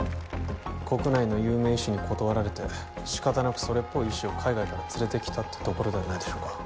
国内の有名医師に断られて仕方なくそれっぽい医師を海外から連れてきたってところではないでしょうか